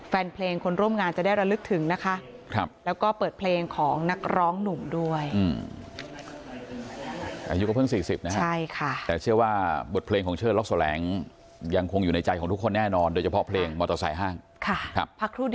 แฟนเพลงคนร่วมงานจะได้ระลึกถึงนะคะครับแล้วก็เปิดเพลงของนักร้องหนุ่มด้วยอายุก็เพิ่งสี่สิบนะครับใช่ค่ะแต่เชื่อว่าบทเพลงของเชิญล็อกโสแหลงยังคงอยู่ในใจของทุกคนแน่นอนโดยเฉพาะเพลงมอเตอร์สายห้างค่ะครับ